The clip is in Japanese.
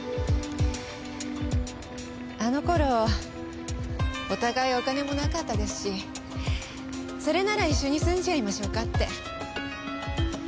あの頃お互いお金もなかったですしそれなら一緒に住んじゃいましょうかって。